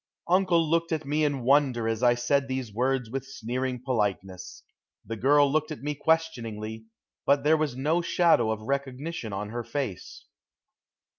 Uncle looked at me in wonder as I said these words with sneering politeness. The girl looked at me questioningly, but there was no shadow of recognition on her face.